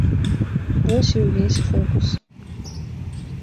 Вось і ўвесь фокус.